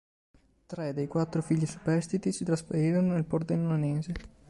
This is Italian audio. Tre, dei quattro figli superstiti si trasferirono nel pordenonese.